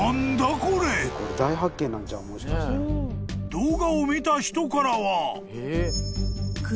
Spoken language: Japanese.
［動画を見た人からは］